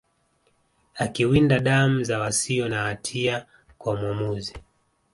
akiwinda damu za wasio na hatia kwa mwamuzi